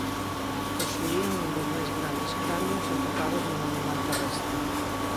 Posuían un dos máis grandes cranios atopados nun animal terrestre.